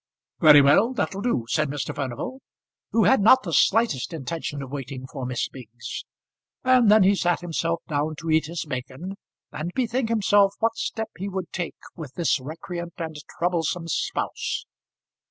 "Very well, that'll do," said Mr. Furnival, who had not the slightest intention of waiting for Miss Biggs; and then he sat himself down to eat his bacon, and bethink himself what step he would take with this recreant and troublesome spouse.